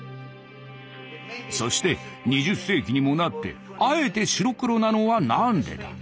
そして２０世紀にもなってあえて白黒なのは何でだ？